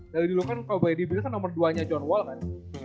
dari dulu kan kalau brady biel kan nomor dua nya john wall kan